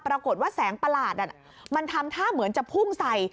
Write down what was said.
ปรากฏว่าแสงประหลาดมันทำท่าเหมือนจะพุ่งใส่